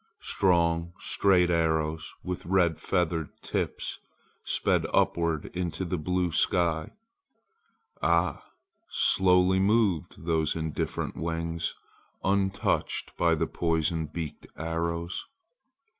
Strong straight arrows with red feathered tips sped upward to the blue sky. Ah! slowly moved those indifferent wings, untouched by the poison beaked arrows.